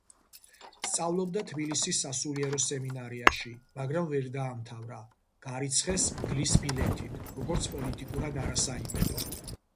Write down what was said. სწავლობდა თბილისის სასულიერო სემინარიაში, მაგრამ ვერ დაამთავრა, გარიცხეს „მგლის ბილეთით“, როგორც პოლიტიკურად არასაიმედო.